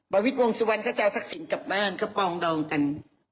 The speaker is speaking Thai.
วิทย์วงสุวรรณก็จะเอาทักษิณกลับบ้านก็ปองดองกัน